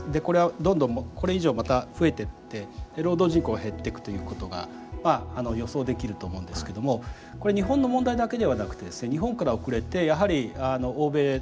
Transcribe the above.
これはどんどんこれ以上また増えてってで労働人口が減ってくということが予想できると思うんですけどもこれ日本の問題だけではなくてですね日本から遅れてやはり欧米